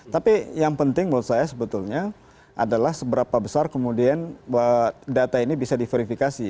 tapi yang penting menurut saya sebetulnya adalah seberapa besar kemudian data ini bisa diverifikasi